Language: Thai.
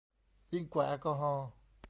ยิ่งกว่าแอลกอฮอล์